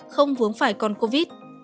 không vướng phải con covid